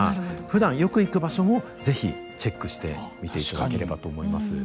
ふだんよく行く場所も是非チェックして見ていただければと思います。